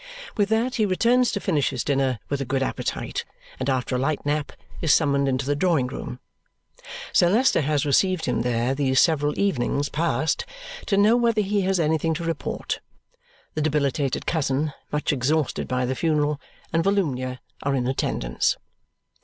With that he returns to finish his dinner with a good appetite, and after a light nap, is summoned into the drawing room. Sir Leicester has received him there these several evenings past to know whether he has anything to report. The debilitated cousin (much exhausted by the funeral) and Volumnia are in attendance.